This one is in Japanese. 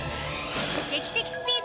劇的スピード！